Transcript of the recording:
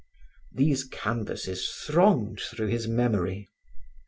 These canvasses thronged through his memory.